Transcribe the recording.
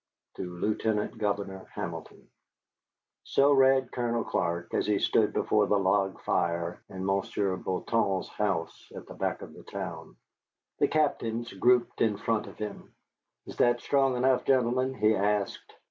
"To Lieutenant Governor Hamilton." So read Colonel Clark, as he stood before the log fire in Monsieur Bouton's house at the back of the town, the captains grouped in front of him. "Is that strong enough, gentlemen?" he asked.